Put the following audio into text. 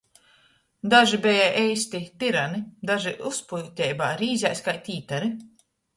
Daži beja eisti tirani, daži uzpyuteibā rīzēs kai tītari.